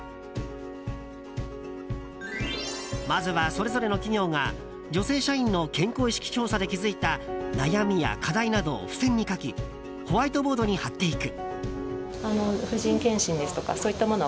まずは、それぞれの企業が女性社員の健康意識調査で気づいた悩みや課題などを付箋に書きホワイトボードに貼っていく。